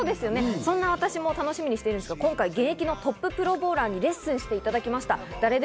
そんな私も楽しみにしているんですが、今回現役のトッププロボウラーにレッスンしてもらいました。